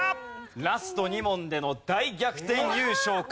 ラスト２問での大逆転優勝か。